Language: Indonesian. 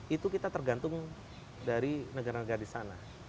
itu kita tergantung dari negara negara di sana